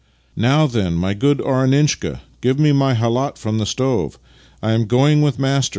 " Now then, my good Arininshka, give me my khalat^ from the stove! I am going with master!"